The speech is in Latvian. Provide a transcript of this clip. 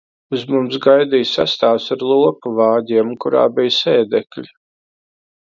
Uz mums gaidīja sastāvs ar lopu vāģiem, kurā bija sēdekļi.